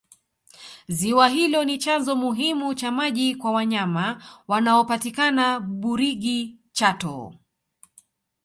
ziwa hilo ni chanzo muhimu cha maji kwa wanyama wanaopatikana burigi chato